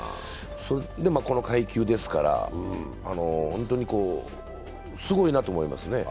で、この階級ですから本当にすごいなと思いますね。